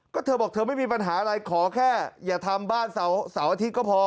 ก็เธอบอกเธอไม่มีปัญหาอะไรขอแค่อย่าทำบ้านเสาร์อาทิตย์ก็พอ